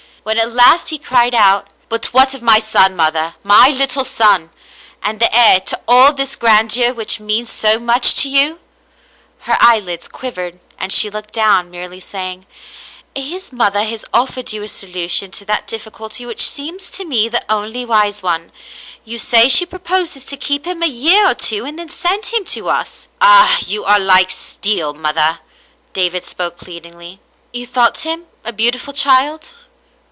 When at last he cried out, " But what of my son, mother, my little son, and the heir to all this grandeur which means so much to you ? Her eye lids quivered and she looked down, merely saying, " His mother has offered you a solution to that difficulty which seems to me the only wise one. You say she proposes to keep him a year or two and then send him to us." *' Ah, you are like steel, mother." David spoke plead ingly, *' You thought him a beautiful child